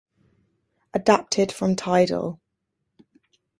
Adapted from Tidal